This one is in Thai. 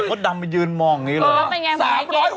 คนดำมายืนมองนี้เลย